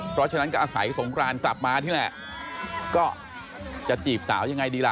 เพราะฉะนั้นก็อาศัยสงครานกลับมานี่แหละก็จะจีบสาวยังไงดีล่ะ